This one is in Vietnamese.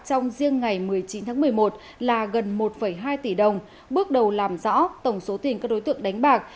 trong riêng ngày một mươi chín tháng một mươi một là gần một hai tỷ đồng bước đầu làm rõ tổng số tiền các đối tượng đánh bạc